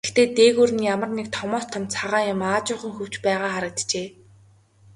Гэхдээ дээгүүр нь ямар нэг томоос том цагаан юм аажуухан хөвж байгаа харагджээ.